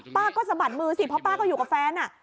ป้าก็สะบัดมือสิเพราะป้าก็อยู่กับแฟน